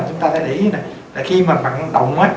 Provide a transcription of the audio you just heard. chúng ta phải để ý như thế này là khi mà bạn động á